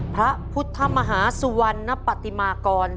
พระพุทธมหาสุวรรณปฏิมากร